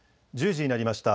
１０時になりました。